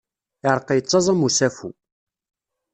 Ireqq yettaẓ am usafu.